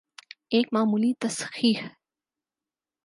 ایک معمولی تصحیح۔